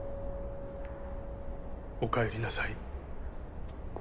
お帰りなさい。